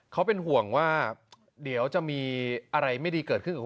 เขาเป็นห่วงว่าเดี๋ยวจะมีอะไรไม่ดีเกิดขึ้น